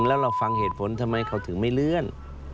แล้วเราฟังเหตุผลทำไมเขาถึงไม่เลื่อน